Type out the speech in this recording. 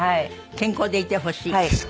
健康でいてほしい。